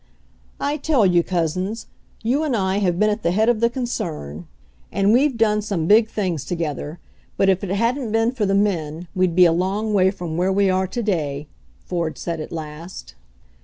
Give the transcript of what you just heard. "I tell you, Couzens, you and I have been at the head of the concern, and we've done some big FIGHTING THE SELDON PATENT 139 things together, but if it hadn't been for the men we'd be a long way from where we are to day," Ford said at last.